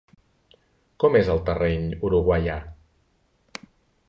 Com és el terreny uruguaià?